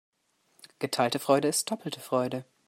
Geteilte Freude ist doppelte Freude.